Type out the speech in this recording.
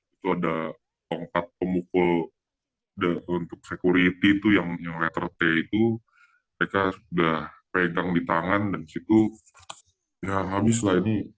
itu ada tongkat pemukul untuk security itu yang letter t itu mereka sudah pegang di tangan dan disitu ya habislah itu